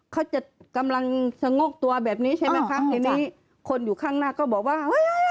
เขาจะกำลังชะโงกตัวแบบนี้ใช่ไหมคะทีนี้คนอยู่ข้างหน้าก็บอกว่าเฮ้ย